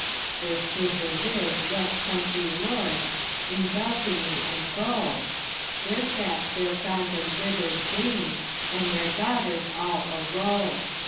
There stood the Whig west country lords, In balcony and bow; There sat their gaunt and wither'd dames, And their daughters all a row.